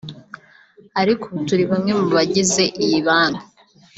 ariko ubu turi bamwe mu bagize iyi banki